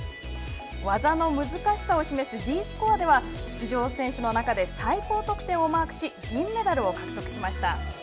技の難しさを示すＤスコアでは出場選手の中で最高得点をマークし銀メダルを獲得しました。